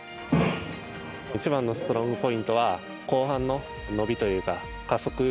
一番のストロングポイントは後半の伸びというか加速。